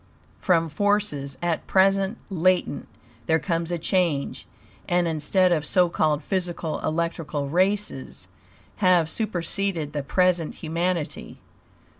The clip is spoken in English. From forces, at present latent, there comes a change; and, instead of so called physical; electrical races have superceded the present humanity.